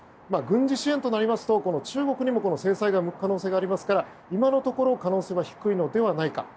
軍事支援となりますと中国にも制裁が向く可能性がありますから今のところ可能性は低いのではないか。